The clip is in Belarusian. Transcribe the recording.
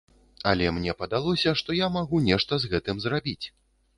Але мне падалося, што я магу нешта з гэтым зрабіць.